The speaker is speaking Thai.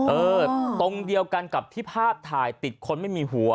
เออตรงเดียวกันกับที่ภาพถ่ายติดคนไม่มีหัว